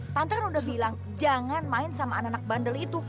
tante kan udah bilang jangan main sama anak anak bandel itu